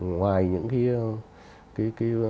ngoài những cái